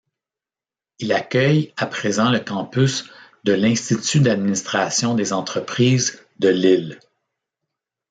Il accueille à présent le campus de l'Institut d'administration des entreprises de Lille.